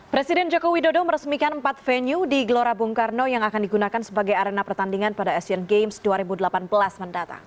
presiden joko widodo meresmikan empat venue di gelora bung karno yang akan digunakan sebagai arena pertandingan pada asian games dua ribu delapan belas mendatang